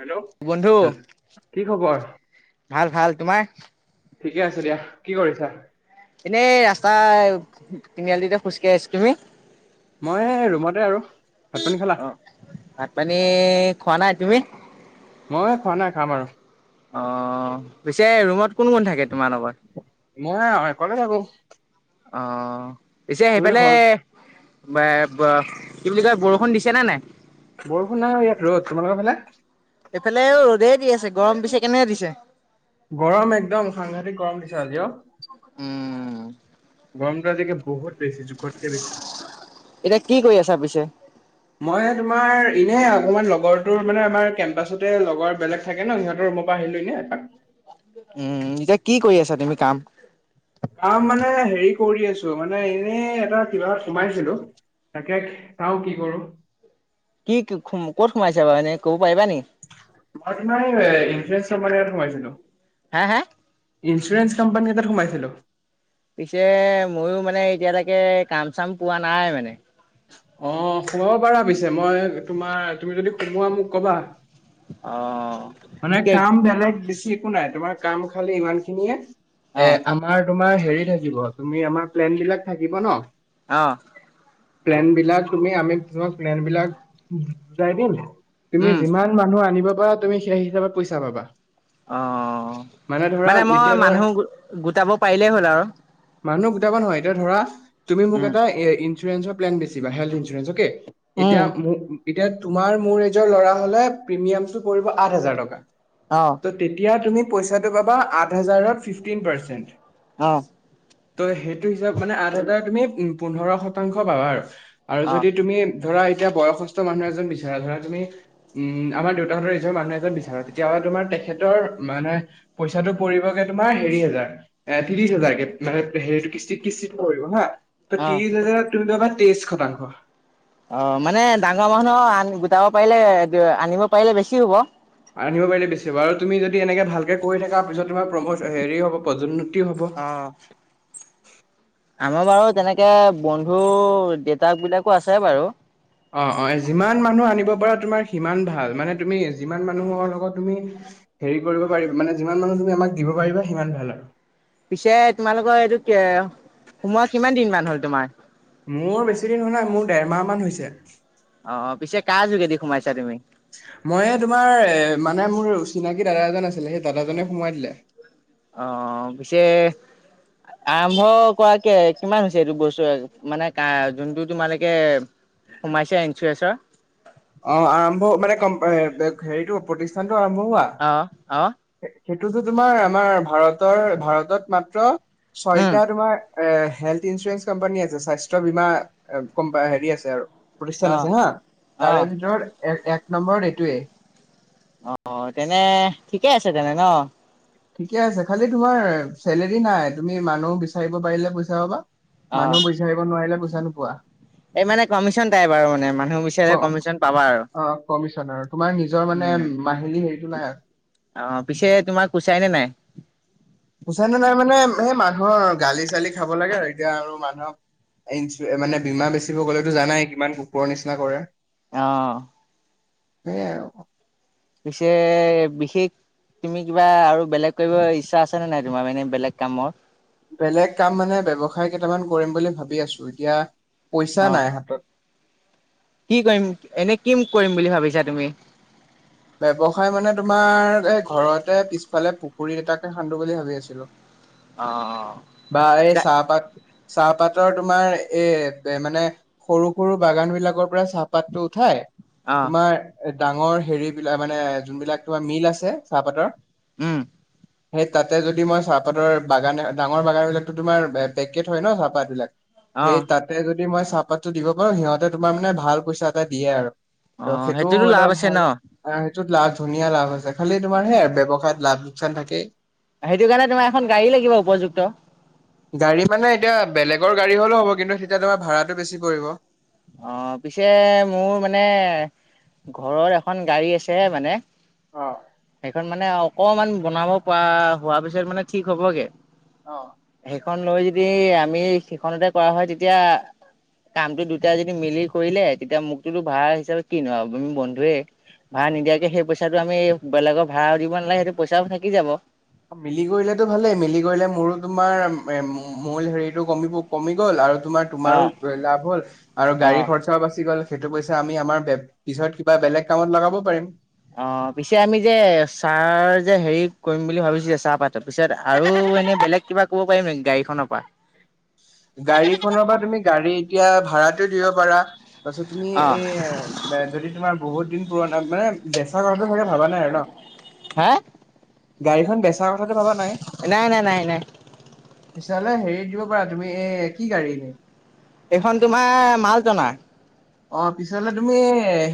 Hello বন্ধু হেল, কি খবৰ? ভাল ভাল তোমাৰ ঠিকে আছে দিয়া। কি কৰিছা? এনেই ৰাস্তা তিনি আলিতে খোজকাঢ়ি আছ। তুমি? মই ৰুমতে আৰু। ভাত পানী খালা অ ভাত পানী খোৱা নাই। তুমি? মই খোৱা নাই খাম আৰু। অ পিছে ৰুমত কোন কোন থাকে তোমাৰ লগত? মই অকলে থাকো। অ পিছে তুমিতো সেইফালে ঘৰ বা ব কি বুলি কয় বৰষুণ দিছে নে নাই? বৰষুণ নাই আৰু ইয়াত ৰ'দ তোমালোকৰ ফালে এইফালে ৰ'দেই দি আছে। গৰম পিছে কেনে দিছে? গৰম একদম সাংঘাতিক গৰম দিছে আজি অ। উম। গৰমটো আজিকে বহুত। বেছি জোখতকৈ বেছি। এতিয়া কি কৰি আছা পিছে মই তোমাৰ এই এনে অকমান লগৰটোৰ মানে আমাৰ কেম্পাচতে লগৰ বেলেগ থাকে ন সিহঁতৰ ৰুমৰ পৰা আহিলো এনে এপাক। উম, এতিয়া কি কৰি আছা তুমি কাম? কাম মানে হেৰি কৰি আছো মানে এনে এটা কিবাত সোমাইছিলো। তাকেখ চাওঁ কি কৰো কি কি ক'ত সোমাইছে বা এনে পাৰিবা নি মই তোমাৰ ইনভেষ্টমেণ্ট সোমাইছিলো হা হা ইঞ্চুৰেঞ্চ কোম্পানী এটাত সোমাইছিলোঁ। পিছে ময়ো মানে এতিয়ালৈকে কাম চাম পোৱা নাই মানে। অ সোমাবা পাৰা পিছে মই তোমাৰ তুমি যদি সোমোৱা মোক কবা। অ', মানে কাম বেলেগ দিছিল একো নাই তোমাৰ কাম খালি ইমান খিনিয়ে এ অ', আমাৰ তোমাৰ হেৰি থাকিব তুমি আমাৰ প্লেন বিলাক থাকিব ন অহ প্লেন বিলাক তুমি আমি পিছত ছ প্লেন বিলাক বুজাই দিম। তুমি উম, যিমান মানুহ আনিব পাৰা তুমি সেই হিচাপত পইচা পাবা অ ধৰা মানে মই এতিয়া ধৰা মানুহ গোটাব পাৰিলেই হ'ল আৰু মানুহ নহয় এতিয়া ধৰা তুমি মোক উম, এটা এ ইঞ্চুৰেঞ্চ প্লেন বেচিবা হেল্থ ইঞ্চুৰেঞ্চ অকে। উম, এতিয়া এতিয়া তোমাৰ মোৰ এজৰ ল'ৰা হলে প্ৰিমিয়াম টো পৰিব আঠ হাজাৰ টকা। অ', ত তেতিয়া তুমি পইচাটো পাবা আঠ হাজাৰৰ ফিফটি পাৰ্চেন্টে। হা ত' সেইটো হিচাপ মানে আঠ হাজাৰ তুমি পোন্ধৰ শতাংশ পাবা আৰু আৰু অ', যদি তুমি। ধৰা এতিয়া বয়সস্থ মানুহ এজন বিচাৰা ধৰা তুমি উম আমাৰ দেউতাহতৰ নিচিনা মানুহ এজন বিচাৰা তেতিয়া। ৰ মানে তোমাৰ তেখেতৰ মানে পইচাটো পৰিবগে তোমাৰ হেৰি হেজাৰ এ ত্ৰিশ হাজাৰকে। হেৰিটো কিস্তিত কিস্তিত পৰিব হা ত অ', ত্ৰিশ হাজাৰত তুমি‌ পাবা তেইশ শতাংশ। অ মানে ডাঙৰ মানুহ আন গোটাব পাৰিলে আনিব পাৰিলে বেছি হব। ৰান্ধিব পাৰিলে বেছি ভাল। তুমি যদি এনেকে ভালকে কৰি থকা পিছত তোমাৰ প্ৰমোচ হেৰি হ'ব, পদোন্নতি হ'ব। অ', আমাৰ বাৰু তেনেকে, বন্ধু দেউতাক বিলাকো আছে বাৰু। অ-অ যিমান মানুহ আনিব পাৰা তোমাৰ সিমান ভাল মানে তুমি যিমান মানুহৰ লগত তুমি হেৰি কৰিব পাৰিবা মানে যিমান মানুহ তুমি আমাক দিব পাৰিবা সিমান ভাল আৰু। পিছে তোমালোকৰ এইটো সোমোৱা কিমান দিন মান হল তোমাৰ। মোৰ বেছি দিন হোৱা নাই। মোৰ দেৰ মাহ মান হৈছে। অ', পিছে কাৰ যোগেদি সোমাইছা তুমি? মই তোমাৰ এ, মানে মোৰ। চিনাকী দাদা এজন আছিলে, সেই দাদাজনে সোমাই দিলে। অ-অ পিছে। আ। সোমাইছে ইঞ্চুৰেঞ্চৰ। অ' আৰম্ভ মানে কম হেৰিতটো প্ৰতিষ্ঠানতটো আৰম্ভ হোৱা। অ অ সেইটোতো তোমাৰ আমাৰ ভাৰতৰ-ভাৰতত মাত্ৰ উম ছয়টা তোমাৰ। এ হেল্থ ইঞ্চুৰেঞ্চ কোম্পানী আছে স্বাস্থ্য বীমা হেৰি আছে আৰু। অ প্ৰতিষ্ঠান আছে হা। অ তাৰে ভিতৰত এক-এক নম্বৰ এইটোৱে। অ' তেনে ঠিকে আছে তেনে ন। ঠিকে আছে, খালি তোমাৰ চেলেৰী নাই, তুমি মানুহ বিচাৰিব পাৰিলে পইচা পাবা। অ মানুহ বিচাৰিব নোৱাৰিলে পইচা নোপোৱা। এই মানে কমিশন টাইপ আৰু মানে মানুহ বিচাৰে কমিশন পাবা আৰু অ' কমিচন আৰু তোমাৰ নিজৰ মানে মাহিলী হেৰিতটো নাই আৰু। অহ' পিছে তোমাৰ কোচাই নে নাই? পুচাই নে নাই‌ মানে সেই মানুহৰ গালি চালি খাব লাগে আৰু এতিয়া আৰু মানুহক। ইঞ্চু মানে বীমা বেচিব হৈ গ'লেতো জানাই কিমান কুকুৰৰ নিচিনা কৰে। অহ, সেই আৰু। পিছে বিশেষ। তুমি কিবা আৰু বেলেগ কৰিব ইচ্ছা আছে নে নাই তোমাৰ এনে বেলেগ কামত। বেলেগ কাম মানে ব্যৱসায় কেইটামান কৰিম বুলি ভাবি আছো এতিয়া, পইচা অ নাই হাতত। কি কৰিম এনে কি কৰিম বুলি ভাবিছা তুমি? ব্যৱসায় মানে তোমাৰ, এই ঘৰতে পিছফালে পুখুৰী এটাকে খান্দো বুলি ভাবি আছিলো। অ বা এই অ চাহপাত। চাহপাতৰ তোমাৰ এ মানে সৰু-সৰু বাগান বিলাকৰ পৰা চাহপাতটো উঠাই। অ তোমাৰ ডাঙৰ হেৰি বিলাক মানে যোনবিলাক তোমাৰ মিল আছে চাহপাতৰ। উম'। সেই তাতে যদি মই চাহপাতৰ বাগান ডাঙৰ বাগান বিলাকতো তোমাৰ পেকেট হয় ন চাহপাত বিলাক। সেই অ', তাতে যদি মই চাহপাতটো দিব পাৰো সিহঁতে তোমাৰ মানে ভাল পইচা এটা দিয়ে আৰু। ত' অ', সেইটোও সেইটোতো এটা লাভ আছে ভাল। ন? আহ সেইটোত লাভ ধুনীয়া লাভ আছে। খালি তোমাৰ সেই‌ ব্যৱসায়ত লাভ লোকচান থাকেই। সেইটো কাৰণে তোমাৰ এখন গাড়ী লাগিব উপযুক্ত। গাড়ী মানে এতিয়া বেলেগৰ গাড়ী হ'লেও হ'ব কিন্তু, তেতিয়া তোমাৰ ভাড়াটো বেছি পৰিব। অহ' পিছে মোৰ মানে। ঘৰৰ এখন গাড়ী আছে এ মানে। অ সেইখন মানে, অকমান বনাব পৰা হোৱা পিছত মানে ঠিক হ'বগে। সেইখন লৈ যদি আমি সেইখনতে কৰা হয় তেতিয়া কামটো দু তেতিয়া যদি মিলি কৰিলে তেতিয়া মোকটোতো ভাড়া হিচাপে কিনো আৰু আমি বন্ধুৱে। ভাড়া নিদিয়াকে সেই পইচাটো আমি বেলেগৰ ভাড়াও দিব নালাগে সেইটো পইচাও থাকি যাব। মিলি কৰিলেতো ভালেই মিলি কৰিলে মোৰো তোমাৰ মূল হেৰিটো কম কমি গ'ল আৰু। তোমাৰ অ', তোমাৰো লাভ হ'ল আৰু গাড়ী অ'। খৰচাও বাচি গ'ল। সেইটো পইচা আমি আমাৰ বে-পিছত কিবা বেলেগ কামত লগাব পাৰিম। অ', পিছে আমি যে চাহ যে হেৰি কৰিম বুলি ভাবিছো যে চাহপাতৰ পিছত আৰু এনেই বেলেগ কিবা ক'ব পাৰি নে গাড়ীখনৰ পৰা? গাড়ীখনৰ পৰা তুমি গাড়ী এতিয়া ভাড়াত দিব পাৰা। তাৰ পিছত তুমি অ এই যদি তোমাৰ বহুত দিন পুৰণ মানে বেচা কৰা চাগে ভালা নাই আৰু ন'। হা গাড়ীখন বেচাৰ কথাটো ভবা নাই? নাই নাই নাই নাই পিছলে হেৰি দিব পাৰা তুমি, এ কি গাড়ী এনে? এইখন তোমাৰ মাল টনাৰ। অ', পিছলে তুমি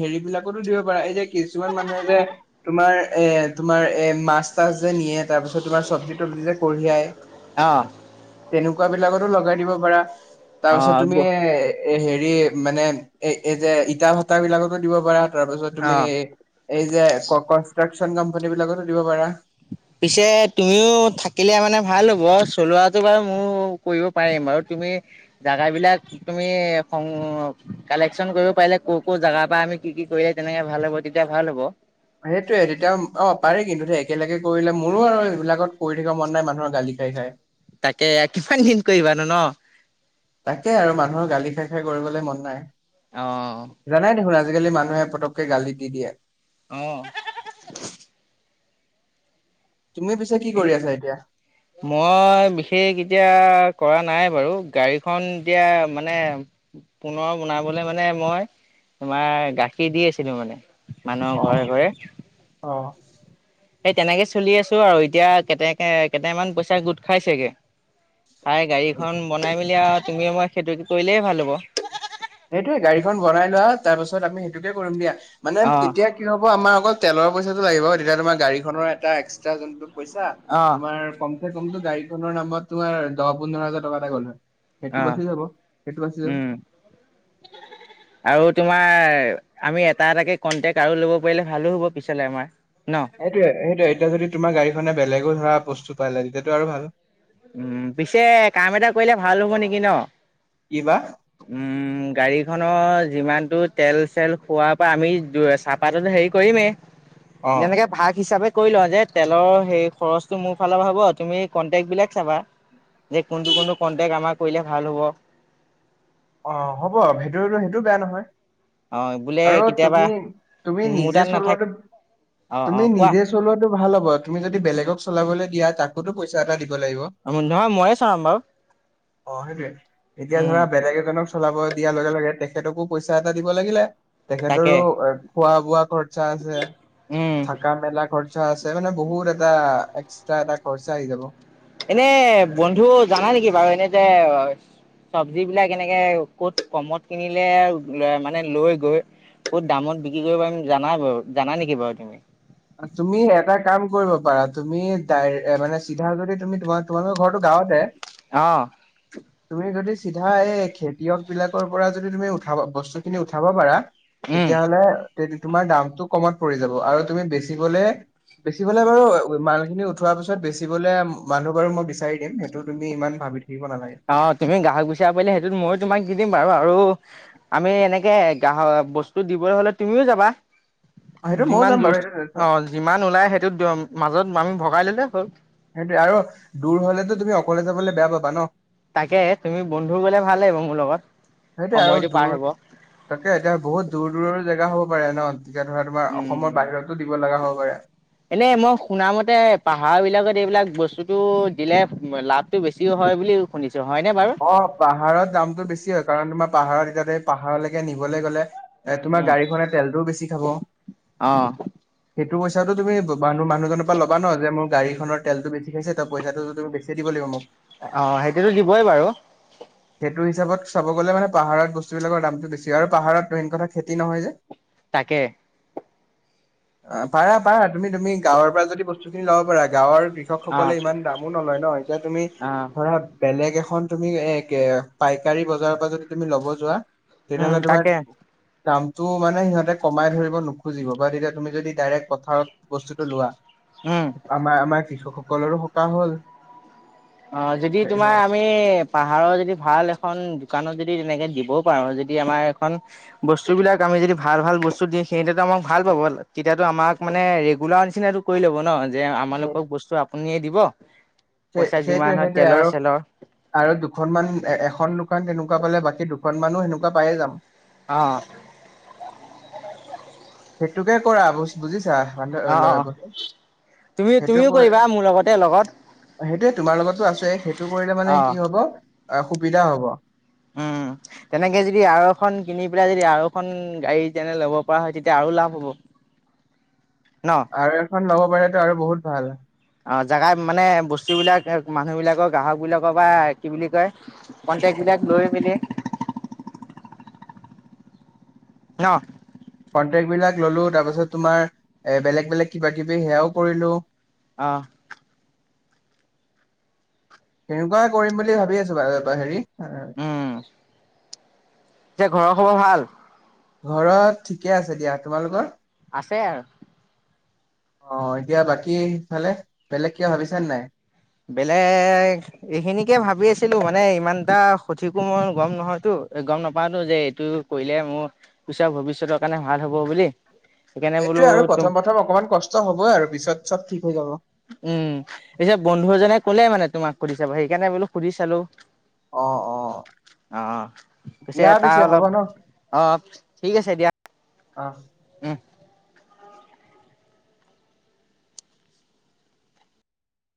হেৰি বিলাকতো দিব পাৰা এই যে কিছুমান মানুহে যে তোমাৰ এ এ তোমাৰ এ মাছ তাছ যে নিয়ে তাৰ পিছত তোমাৰ চব্জি তব্জি যে কঢ়িয়াই অ'। তেনেকুৱা বিলাকতো লগাই দিব পাৰা, অ তাৰপিছত তুমি হেৰি মানে এই, এই, যে, ইটাৰভাটা বিলাকতো দিব পাৰা, তাৰপাছত অ তুমি এই যে, ককচ [unintelligible] কোম্পানী বিলাকতো দিব পাৰা। পিছে তুমিও থাকিলে মানে ভাল হ'ব, চলোৱাটো বাৰু মোৰ কৰিব পাৰিম বাৰু। তুমি জাগাবিলাক তুমি সং-কালেকচন কৰিব পাৰিলে, ক', ক' জাগাৰ পৰা আমি তুমি কি কি কৰিলে তেনেকে ভাল হ'ব তেতিয়া ভাল হ'ব। সেইটোয়ে তেতিয়া অ', পাৰি কিন্তু একেলগে কৰিলে মোৰো আৰু এইবিলাকত কৰি থাকিব মন নাই মানুহৰ গালি খাই, খাই। তাকে, কিমান দিন কৰিবানো ন? তাকে আৰু মানুহৰ গালি খাই খাই কৰিবলৈ মন নাই। অ'। জানাই দেখোন আজিকালি মানুহে পতককে গালি দি দিয়ে। অহ। তুমি পিছে কি কৰি আছা এতিয়া? মই বিশেষ এতিয়া কৰা নাই বাৰু, গাড়ীখন এতিয়া মানে পুনৰ বনাবলে মানে মই তোমাৰ গাখীৰ দি আছিলো মানে। মানুহৰ অ ঘৰে, ঘৰে। অ এই তেনেকে চলি আছো আৰু এতিয়া কেকে কেইটামান পইচা গোট খাইছেগে। প্ৰায় গাড়ীখন বনাই, মেলি আৰু তুমিও, মই সেইটো কৰিলে ভাল হ'ব। সেইটোয়ে গাড়ীখন বনাই লোৱা, তাৰপাছত আমি সেইটোকে কৰিম দিয়া। মানে অ', কেতিয়া কি হ'ব আমাৰ অকল তেলৰ পইচাটো লাগিব তেতিয়া তোমাৰ গাড়ীখনৰ এটা এক্সট্ৰা যোনটো পইচা অ', তোমাৰ কম চে কমতো গাড়ীখনৰ নামত তোমাৰ দহ পোন্ধৰ হাজাৰ টকা এটা গ'ল হয়। সেইটো অ', বাচি যাব, সেইটো বাচি যাব। উম আৰু তোমাৰ আমি এটা এটাকে কন্টেক্ট আৰু ল'ব পাৰিলে ভালো হ'ব পিছলে আমাৰ। ন সেইটোৱে, সেইটোৱে এতিয়া যদি তোমাৰ গাড়ীখনে বেলেগো ধৰা বস্তু পালে তেতিয়াটো আৰু ভাল। উম, পিছে কাম এটা কৰিলে ভাল হ'ব নেকি ন'। কি বা উম, গাড়ীখনৰ যিমান টো তেল চেল খোৱাৰ পৰা আমি চাহপাততো হেৰি কৰিমেই। অ যেনেকে ভাগ হিচাপে কৰি লয় যে তেলৰ সেই খৰচটো মোৰ ফালৰ পৰা হব তুমি কন্টেক্ট বিলাক চাবা যে কোনটো কোনটো কন্টেক আমাৰ কৰিলে ভাল হ'ব। অ', হ'ব ভেইদো সেইটো বেয়া নহয়। অ' বোলে আৰু কেতিয়াবা তুমি, তুমি মোৰ নিজে তাত নাথাক চলোৱাটো অ', অ' তুমি কোৱা নিজে চলোৱাাতটো ভাল হ'ব তুমি যদি বেলেগক চলাবলৈ দিয়া তাকোতো পইচা এটা দিব। [unintelligible] নহয় ময়ে চলাম বাৰু অ', সেইটোৱে, এতিয়া উম, ধৰা বেলেগে চলাব দিয়াৰ লগে, লগে তেখেতকো পইচা এটা দিব লাগিলে, তাকে তেখেতৰো খোৱা, বোৱা খৰচা আছে, উম। থাকা মেলা খৰচা আছে, মানে বহুত এটা এক্সট্ৰা। এটা খৰচা আহি যাব। এনে বন্ধু জানা নেকি বাৰু এনে যে,, চব্জ বিলাক এনেকে ক'ত কমত কিনিলে মানে লৈ গৈ ক'ত দামত বিক্ৰী কৰিব পাৰিম যানাই বাৰু জানা নেকি বাৰু তুমি। তুমি এটা কাম কৰিব পাৰা, তুমি মানে চিধা যদি তুমি তোমাৰ তোমালোকৰ ঘৰটো গাঁৱতে? অ'। তুমি যদি চিধা এই খেতিয়ক বিলাকৰ পৰা যদি তুমি উঠাব বস্তু খিনি উঠাব পাৰা উম, তেতিয়াহলে তোমাৰ দামতটো কমত পৰি যাব আৰু তুমি বেচি গলে বেচিবলে বাৰু মানুহখিনি উঠোৱাৰ পিছত বেচিবলৈ মানুহ বাৰু মই বিচাৰি দিম, সেইটো তুমি ইমান ভাবি থাকিব নালাগে অ, তুমি গাহক বিচাৰি পাৰলে সেইটোত ময়ো তোমাক দি দিম বাৰু আৰু আৰু আমি এনেকে গাহ বস্তু দিবলৈ হলে তুমিও যাবা। অ সেইটো ময়ো যাম যিমান জ বাৰু সেইটো অ, যিমান ওলাই সেইটো মাজত আমি ভগাই ললে হ'ল। সেইটোয়ে আৰু দূৰ হলেতো তুমি অকলে যাবলে বেয়া পাবা ন। তাকে তুমি বন্ধু গলে ভাল লাগিব মোৰ লগত। সেইটো আৰু সময়টো দূৰ পাৰ হ'ব তাকে এতিয়া বহুত দূৰ-দূৰৰ জেগা হ'ব পাৰে ন। এতিয়া ধৰা তোমাৰ অসমৰ বাহিৰতো দিব লগা হ'ব পাৰে। এনেই মই শুনামতে পাহাৰ বিলাকত এইবিলাক বস্তুতটো দিলে লাভটো বেছিও হয় হয় বুলিও শুনিছো। হয়নে বাৰু? অ, পাহাৰত দামতটো বেছি হয়, কাৰণ তোমাৰ পাহাৰত এতিয়াতে পাহাৰলৈকে নিবলৈ গলে এ তোমাৰ উম। গাড়ীখনে তেলটোও বেছি খাব। অ', এইটো পইচাটো তুমি মানুহ, মানুহজনৰ পৰা লবা যে মোৰ গাড়ীখনৰ তেলটো বেছি হৈছে ত পইচাটো যদি বেছি দিব লাগিব মোক। অ, সেইটোতো দিবই বাৰু। সেইটো হিচাপত চাব গ'লে মানে পাহাৰত বস্তুবিলাকৰ দামটো বেছি হয় আৰু পাহাৰত মেইন কথা খেতি নহয় যে। তাকে। পাৰা-পাৰা, তুমি-তুমি গাঁৱৰ পৰা যদি বস্তুখিনি লব পাৰা গাঁৱৰ কৃষক অ', সকলে ইমান দামো নলয় ন এতিয়া তুমি অ'। ধৰা বেলেগ এখন খন তুমি এ পাইকাৰী বজাৰৰ পৰা যদি তুমি ল'ব যোৱা। তেতিয়া উম, হ'লে তোমাৰ, তাকে টো মানে সিহঁতে কম ধব নোখোজিব বা তেতিয়া তুমি যদি ডাইৰেক্ট পথাৰত বস্তুটো লোৱা। উম। আমাৰ আমাৰ কৃষকসকলৰো সকাহ হ'ল। অ যদি হেৰি তোমাৰ হ'ল। আমি। পাহাৰৰ যদি ভাল এখন দোকানত যদি তেনেকে দিবও পাৰো যদি আমাৰ এখন বস্তু বিলিলাক আমি,, মি যদি ভাল ভাল বস্তু দি সেইহো আমাক ভাল পাব তেতিয়াতটো আমাক মানে ৰেগুলাৰ নিচিননাটো কৰি ল'ব ন যে আমালোকক বস্তু আপুনিয়ে দিব। সেই পইচা যিমান সেইটোৱে হয় সেইটোৱে তেলৰ আৰু চেলৰ আৰু দুখনমান এখন দুখন তেনেকুৱা এনেকুৱা গলে বাকী দুখন মানুহ সেনেকোৱা পায়ে যাম অঁ সেইটোকে কৰা বুজিছা। অ', মানুহ অ তুমি সেইটো তুমিও কৰি, কৰিবা মোৰ লগতে লগত সেইটোয়ে তোমাৰ লগতো আছে। সেইটো কৰিলে অ মানে কি হব সুবিধা হব। অম তেনেকে যদি আৰু এখন কিনি পেলাই যদি আৰু এখন গাড়ী তেনে ল'ব পৰা হয় তেতিয়া আৰু লাভ হ'ব। ই আৰু এখন ল'ব পাৰে আৰু বহুত ভাল। অঁ জেগা মানে বস্তুবিলাক মানুহবিলাকৰ। গ্ৰাহকবিলাকৰ বা কি বুলি কয় কণ্টেক্ট। বিলাক লৈ মেলি, ন কন্টেক্টবিলাক ললো তাৰপাছত তোমাৰ এ বেলেগ বেলেগ কিবা কিবি সেয়াও কৰিলো। আহ তেনেকুৱাই কৰিম বুলি ভাবি আছো বাৰু। এ হেৰি,, উম যে ঘৰৰ খবৰ ভাল। ঘৰত ঠিকে আছে দিয়া, তোমালোকৰ? আছে আৰু অঁ এতিয়া বাকীফালে বেলেগ কে ভাবিছানে নাই! বেলেগ এইখিনিকে ভাবি আছিলো মানে ইমানটা সঠিকো মই গম নহয়তো। গম নাপাওতো যে এইটো কৰিলে মোৰ পিচৰ ভৱিষ্যতৰ কাৰণে ভাল হ'ব বুলি। সেইকাৰণে বোলো সেইটোৱে আৰু তুম প্ৰথম প্ৰথম অকমান কষ্ট হ'বই আৰু পিছত চব ঠিক হৈ যাব। উম পিছে বন্ধু এজনে কলেই মানে তোমাক সুধি চাব সেইকাৰণে বোলো সুধি চালো। অহ', অহ'। অঁ পিছে তাৰ হ'ব অলপ ন অঁহ ঠিক আছে দিয়া। অঁ। [unintelligible]